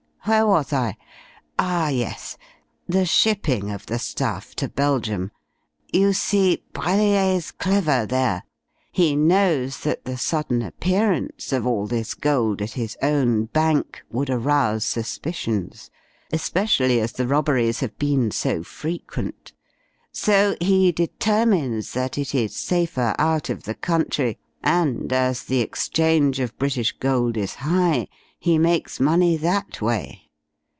"Where was I? Ah, yes! The shipping of the stuff to Belgium. You see, Brellier's clever there. He knows that the sudden appearance of all this gold at his own bank would arouse suspicions, especially as the robberies have been so frequent, so he determines that it is safer out of the country, and as the exchange of British gold is high, he makes money that way.